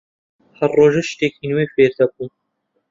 هەر ڕۆژەی شتێکی نوێ فێر دەبووم